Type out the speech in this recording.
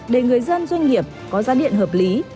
để người dân doanh nghiệp có giá điện hợp lý